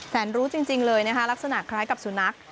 รู้จริงเลยนะคะลักษณะคล้ายกับสุนัข